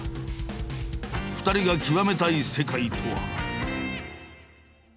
２人が究めたい世界とは？